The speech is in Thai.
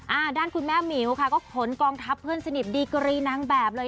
อ่าด้านคุณแม่หมิวค่ะก็ขนกองทัพเพื่อนสนิทดีกรีนางแบบเลย